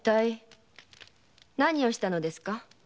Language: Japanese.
何をしたのですか？